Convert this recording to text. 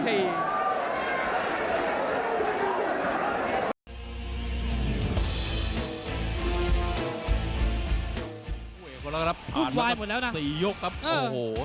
อีกคนแล้วครับผ่านมา๔ยกครับโอ้โห